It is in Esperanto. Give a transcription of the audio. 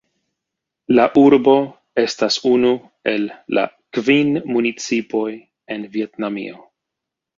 La urbo estas unu el la kvin municipoj en Vjetnamio.